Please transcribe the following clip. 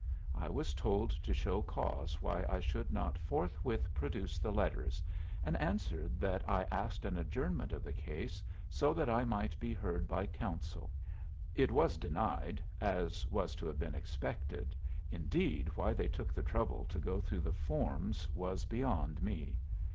I was told to show cause why I should not forthwith produce the letters, and answered that I asked an adjournment of the case so that I might be heard by counsel. It was denied, as was to have been expected; indeed, why they took the trouble to go through the forms was beyond me.